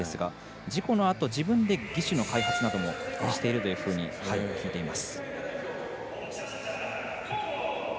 事故のあと自分で義手の開発などもしていると聞いています。